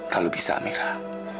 kalau bisa amirah